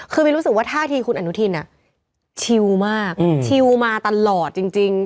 คือมีรู้สึกว่าท่าทีคุณอนุทินชิลมากชิวมาตลอดจริง